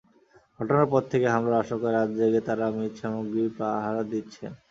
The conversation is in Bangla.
ঘটনার পর থেকে হামলার আশঙ্কায় রাত জেগে তাঁরা মৃৎসামগ্রী পাহারা দিচ্ছেন।